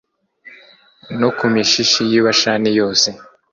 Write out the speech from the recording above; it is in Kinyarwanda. no ku mishishi y'i bashani yose,